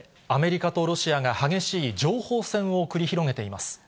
アメリカとロシアが、激しい情報戦を繰り広げています。